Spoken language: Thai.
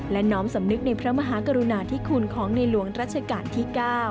และน้อมสำนึกในพระมหากรุณาธิคุณของในหลวงรัชกาลที่๙